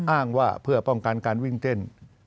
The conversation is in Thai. อ้างว่าเพื่อป้องกันการวิ่งเต้น